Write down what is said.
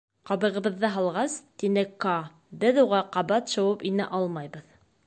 — Ҡабығыбыҙҙы һалғас, — тине Каа, — беҙ уға ҡабат шыуып инә алмайбыҙ.